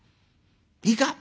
いいか？